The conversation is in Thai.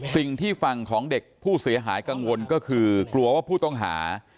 สิ่งที่ฝั่งของเด็กผู้เสียหายกังวลก็คือกลัวว่าผู้ต้องหา